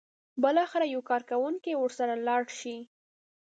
بالاخره یو کارکوونکی ورسره لاړ شي.